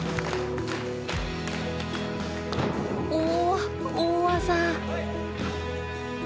おっ大技！